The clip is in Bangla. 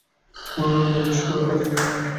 কোনো নোংরা ভেস্ট পরে আমি কাজে যেতে চাই না।